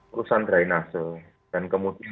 urusan dry nacelle dan kemudian